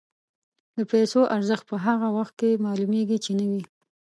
د پیسو ارزښت په هغه وخت کې معلومېږي چې نه وي.